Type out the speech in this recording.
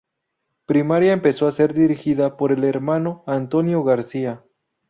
Primaria empezó a ser dirigida por el Hermano Antonio García.